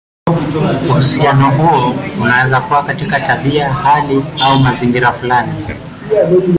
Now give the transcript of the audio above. Uhusiano huo unaweza kuwa katika tabia, hali, au mazingira fulani.